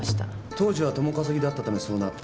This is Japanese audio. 当時は共稼ぎだったためそうなった。